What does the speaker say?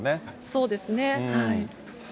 そうですね。